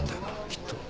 きっと。